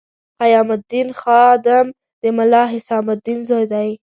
قیام الدین خادم د ملا حسام الدین زوی دی.